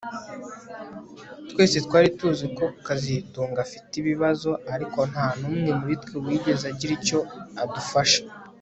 Twese twari tuzi ko kazitunga afite ibibazo ariko ntanumwe muri twe wigeze agira icyo adufasha